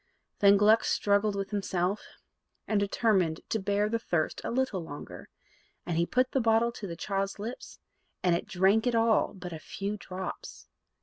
Then Gluck struggled with himself, and determined to bear the thirst a little longer; and he put the bottle to the child's lips, and it drank it all but a few drops.